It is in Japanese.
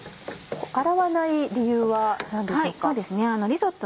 洗わない理由は何でしょうか？